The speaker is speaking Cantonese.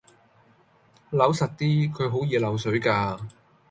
扭實啲，佢好易漏水㗎